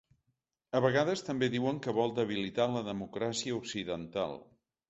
A vegades també diuen que vol debilitar la democràcia occidental.